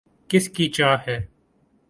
کس کی چاہ ہے